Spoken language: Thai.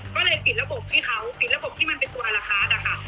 ก็เลยปิดระบบให้เขาปิดระบบที่มันเป็นตัวอารคาร์ดนะคะ